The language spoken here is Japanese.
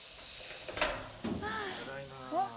・ただいま。